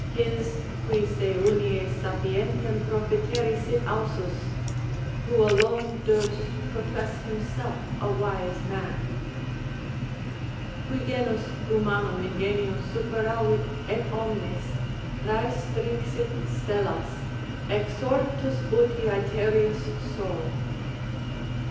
His, qui se unies sapiervtem profiteri sit ausus; "who alone durst profess himself a wise man." Qui genus humanum ingenio superavit, et omnes Præstinxit stellas, exortus uti æthereus Sol.